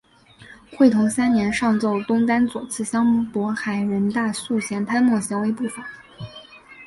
会同三年上奏东丹左次相渤海人大素贤贪墨行为不法。